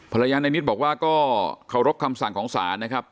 ภรรยาในนิดบอกว่าก็เคารพคำสั่งของศาลนะครับ